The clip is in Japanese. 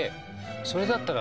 それだったら。